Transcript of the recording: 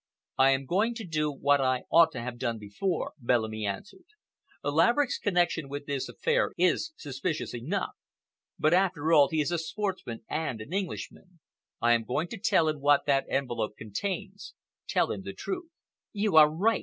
"I am going to do what I ought to have done before," Bellamy answered. "Laverick's connection with this affair is suspicious enough, but after all he is a sportsman and an Englishman. I am going to tell him what that envelope contains—tell him the truth." "You are right!"